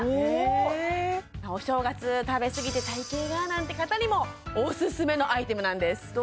おおええお正月食べ過ぎて体形がなんて方にもオススメのアイテムなんです